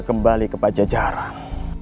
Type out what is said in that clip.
kembali ke pajajaran